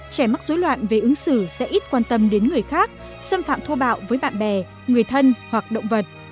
trẻ mắc dối loạn về ứng xử sẽ ít quan tâm đến người khác xâm phạm thô bạo với bạn bè người thân hoặc động vật